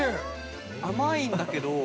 甘いんだけど。